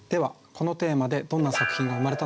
このテーマでどんな作品が生まれたのか。